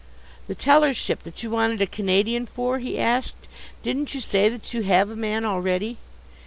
"The tellership that you wanted a Canadian for," he asked, "didn't you say that you have a man already?"